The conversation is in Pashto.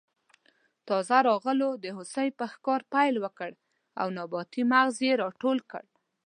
تازه راغلو د هوسۍ په ښکار پیل وکړ او نباتي مغز یې راټول کړل.